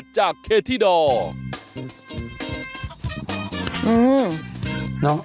จากเคธิดอร์